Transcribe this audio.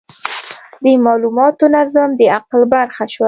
د مالوماتو نظم د عقل برخه شوه.